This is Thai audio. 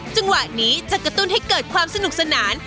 จังหวะนี้จะกระตุ้นให้เกิดความสนุกสนาน